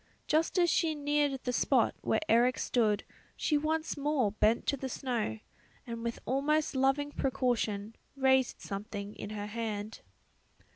Just as she neared the spot where Eric stood she once more bent to the snow, and with almost loving precaution raised something in her hand.